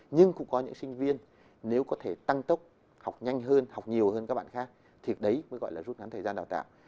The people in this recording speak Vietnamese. nhưng cũng có những sinh viên nếu có thể tăng tốc học nhanh hơn học nhiều hơn các bạn khác thì đấy mới gọi là rút ngắn thời gian đào tạo